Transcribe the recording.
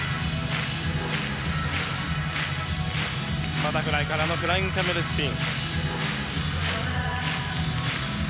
バタフライからのフライングキャメルスピン。